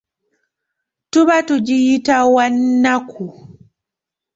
Tuba tugiyita wannaku.